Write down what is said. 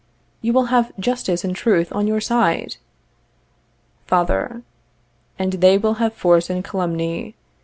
_ You will have justice and truth on your side. Father. And they will have force and calumny.